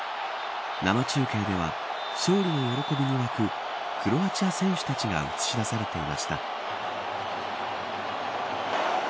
生中継では勝利の喜びに沸くクロアチア選手たちが映し出されていました。